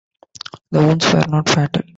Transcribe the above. The wounds were not fatal.